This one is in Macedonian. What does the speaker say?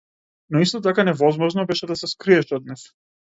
Но исто така невозможно беше да се скриеш од нив.